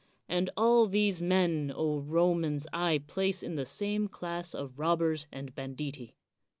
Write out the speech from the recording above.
And all these men, O Romans, I place in the same class of robbers and banditti.